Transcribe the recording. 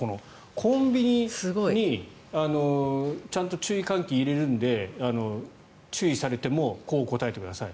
コンビニにちゃんと注意喚起を入れるんで注意されてもこう答えてください。